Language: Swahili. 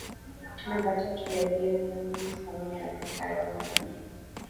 Namba tatu ni Lionel Messi pamoja na Christiano Ronaldo